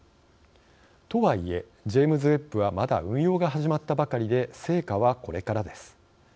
とはいえジェームズ・ウェッブはまだ運用が始まったばかりで成果はこれからです。